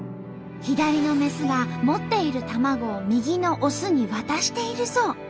左のメスが持っている卵を右のオスに渡しているそう。